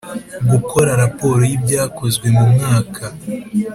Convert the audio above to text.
Gukora raporo y ibyakozwe mu mwaka